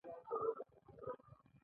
رسیدات د واردې او صادرې دفتر دی.